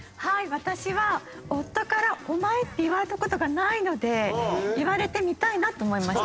私は夫から「お前」って言われた事がないので言われてみたいなと思いました。